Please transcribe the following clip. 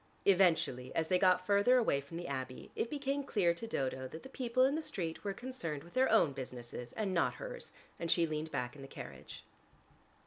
Eventually, as they got further away from the Abbey, it became clear to Dodo that the people in the street were concerned with their own businesses, and not hers, and she leaned back in the carriage.